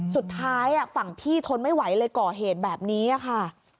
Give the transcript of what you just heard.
สุดท้ายฝั่งพี่ทนไม่ไหวเลยก่อเหตุแบบนี้ค่ะ